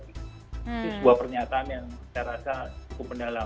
itu sebuah pernyataan yang saya rasa cukup mendalam